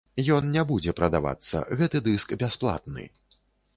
Ён не будзе прадавацца, гэты дыск бясплатны.